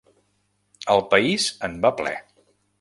El País en va ple.